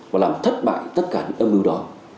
và làm thất bại tất cả những âm mưu đó